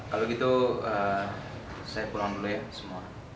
kalau gitu saya pulang dulu ya semua